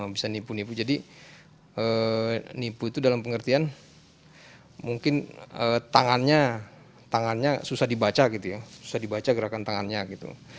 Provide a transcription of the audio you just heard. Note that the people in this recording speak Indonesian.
bisa nipu nipu jadi nipu itu dalam pengertian mungkin tangannya susah dibaca gitu ya susah dibaca gerakan tangannya gitu